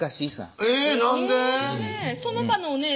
「その場のね